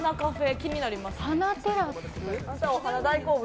気になりますね。